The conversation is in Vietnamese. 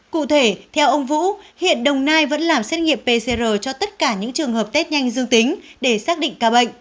cụ thể theo ông vũ hiện đồng nai vẫn làm xét nghiệm pcr cho tất cả những trường hợp test nhanh dương tính để xác định ca bệnh